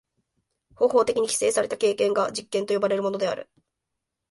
方法的に規制された経験が実験と呼ばれるものである。